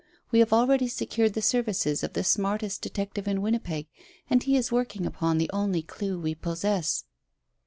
We have already secured the services of the smartest detective in Winnipeg, and he is working upon the only clue we possess."